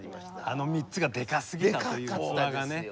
あの３つがでかすぎたという器がね。